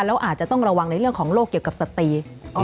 แล้วอาจจะต้องระวังในเรื่องของโรคเกี่ยวกับสตรี